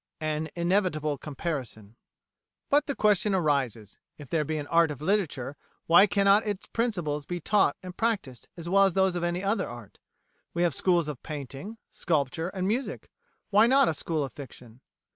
An Inevitable Comparison But the question arises: If there be an art of literature, why cannot its principles be taught and practised as well as those of any other art? We have schools of Painting, Sculpture, and Music why not a school of Fiction?